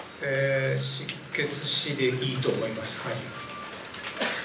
失血死でいいと思います。